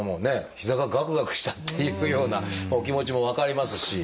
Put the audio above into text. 膝がガクガクしたっていうようなお気持ちも分かりますし。